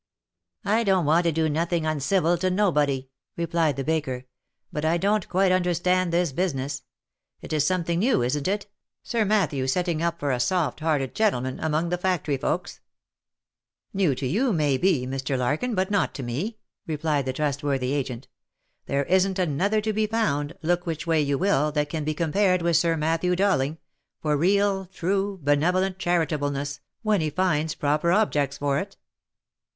"I don't want to do nothing uncivil to nobody," replied the baker, " but I don't quite understand this business. It is some thing new, isn't it, Sir Matthew setting up for a soft hearted gentle man, among the factory folks ?" "New to. you, may be, Mr. Larkin, but not to me," replied the trustworthy agent. " There isn't another to be found, look which way you will, that can be compared with Sir Matthew Dowling, for real, true, benevolent, charitableness, when he finds proper objects for it."